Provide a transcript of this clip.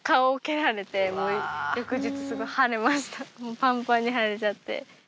パンパンに腫れちゃって。